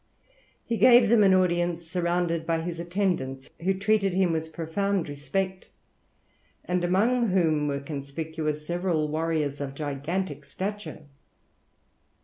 He gave them an audience surrounded by his attendants, who treated him with profound respect, and among whom were conspicuous several warriors of gigantic stature.